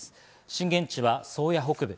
震源地は宗谷北部。